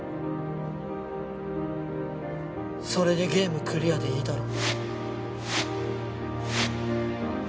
それでゲームクリアでいいだろ？